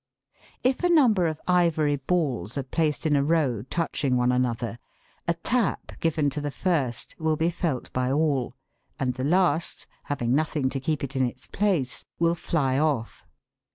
If a number of ivory balls are placed in a row touching one another, a tap given to the first will be felt by all, and the last, having nothing to keep it in its place, will fly off.